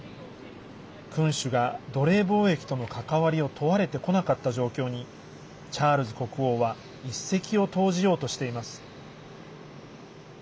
君主が、奴隷貿易との関わりを問われてこなかった状況にチャールズ国王は一石を投じようとしています。